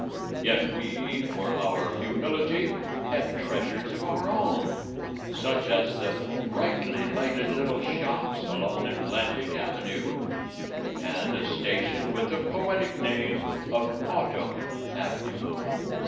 Yet we, for our humility, have treasures of our own, such as the brightly lighted little shops along Atlantic Avenue and a station with the poetic name of Autumn Avenue.